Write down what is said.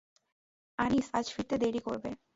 আনিস আজ ফিরতে দেরি করবে।